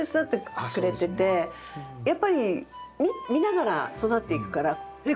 やっぱり見ながら育っていくから「え！